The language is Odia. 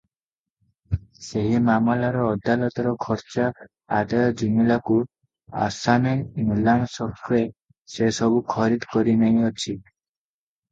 ସେହି ମାମଲାର ଅଦାଲତର ଖର୍ଚ୍ଚା ଆଦାୟ ଜୁମିଲାକୁ ଆସାମୀ ନିଲାମ ସକ୍ରେ ସେ ସବୁ ଖରିଦ କରିନେଇଅଛି ।